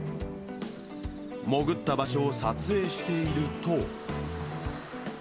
潜った場所を撮影していると。